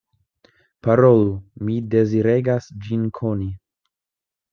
Parolu; mi deziregas ĝin koni.